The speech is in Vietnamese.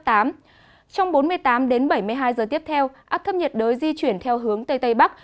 trong bốn mươi tám đến bảy mươi hai giờ tiếp theo áp thấp nhiệt đới di chuyển theo hướng tây tây bắc